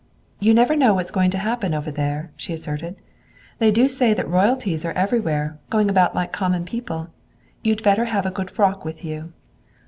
"You never know what's going to happen over there," she asserted. "They do say that royalties are everywhere, going about like common people. You'd better have a good frock with you."